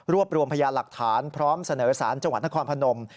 รวมรวมพยานหลักฐานพร้อมเสนอสารจังหวัดนครพนม